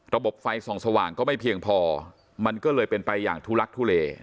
ไฟส่องสว่างก็ไม่เพียงพอมันก็เลยเป็นไปอย่างทุลักทุเล